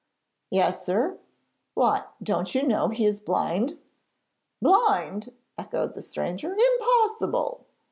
'Yes, sir? Why, don't you know he is blind?' 'Blind!' echoed the stranger; 'impossible!'